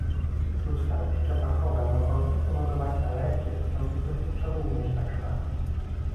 Substancje zapachowe mogące powodować alergie są zasadniczo również zakazane